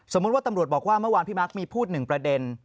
ว่าตำรวจบอกว่าเมื่อวานพี่มักมีพูดหนึ่งประเด็น